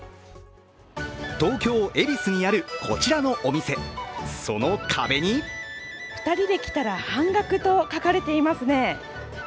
東京・恵比寿にあるこちらのお店その壁に２人で来たら半額と書かれていますね。